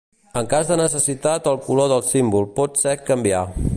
En cas de necessitat el color del símbol pot ser canviar.